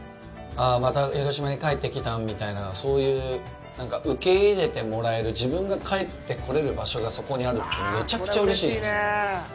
また広島に帰ってきたんみたいなそういう、なんか受け入れてもらえる自分が帰ってこれる場所がそこにあるってめちゃくちゃうれしいじゃないですか。